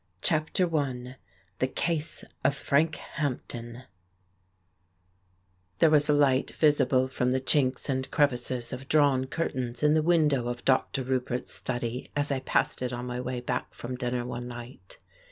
141 SPOOK STORIES THE CASE OF FRANK HAMPDEN There was a light visible from the chinks and crevices of drawn curtains in the window of Dr. Roupert's study as I passed it on my way back from dinner one night.